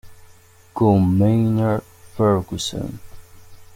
Con Maynard Ferguson